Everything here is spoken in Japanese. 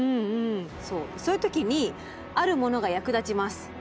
そういう時にあるものが役立ちます。